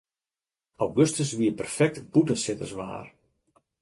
Augustus wie perfekt bûtensitterswaar.